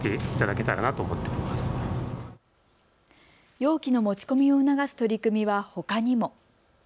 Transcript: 容器の持ち込みを促す取り組みはほかにも。